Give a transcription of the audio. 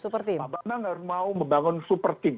pak bambang harus mau membangun super team